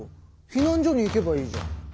避難所に行けばいいじゃん。